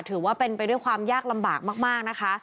ถือว่าเป็นไปด้วยความยากลำบากมากนะคะ